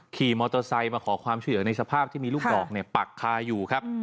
ขี่มอเตอร์ไซค์มาขอความช่วยเหลือในสภาพที่มีลูกดอกปักคาอยู่ครับ